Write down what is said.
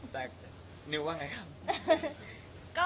แต่นิวว่าไงครับ